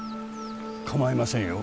かまいませんよ